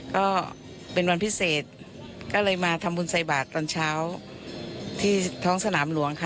ก็เป็นวันพิเศษก็เลยมาทำบุญใส่บาทตอนเช้าที่ท้องสนามหลวงค่ะ